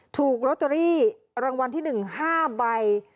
ถูกลอตเตอรี่รางวัลที่๑๕ใบ